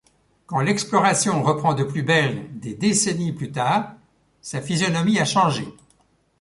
Quand l'exploration reprend de plus belle des décennies plus tard, sa physionomie a changé.